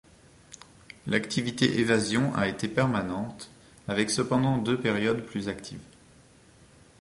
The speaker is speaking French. L’activité Évasion a été permanente avec cependant deux périodes plus actives.